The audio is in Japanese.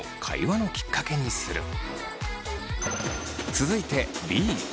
続いてＢ。